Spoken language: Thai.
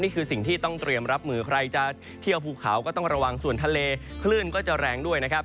สิ่งที่ต้องเตรียมรับมือใครจะเที่ยวภูเขาก็ต้องระวังส่วนทะเลคลื่นก็จะแรงด้วยนะครับ